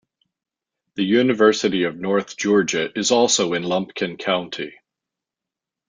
The University of North Georgia is also in Lumpkin County.